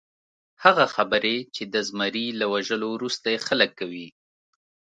هغه خبرې چې د زمري له وژلو وروسته یې خلک کوي.